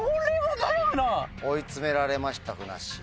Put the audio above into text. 追い詰められましたふなっしー。